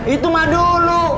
itu mah dulu